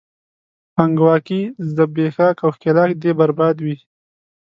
پانګواکي، زبېښاک او ښکېلاک دې برباد وي!